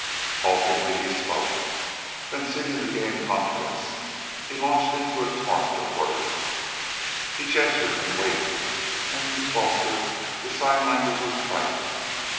Haltingly he spoke. Then, seeming to gain confidence, he launched into a torrent of words. He gestured and waved, and, to Foster, the sign language was plain.